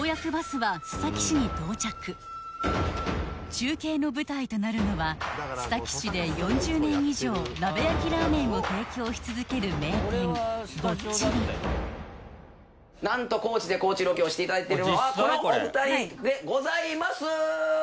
中継の舞台となるのは須崎市で４０年以上鍋焼きラーメンを提供し続ける名店なんと高知で高知ロケをしてただいているのはこのお二人でございます！